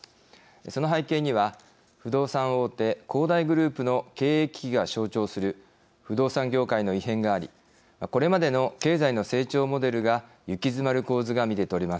その背景には不動産大手恒大グループの経営危機が象徴する不動産業界の異変がありこれまでの経済の成長モデルが行き詰まる構図が見てとれます。